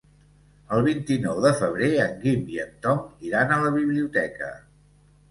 El vint-i-nou de febrer en Guim i en Tom iran a la biblioteca.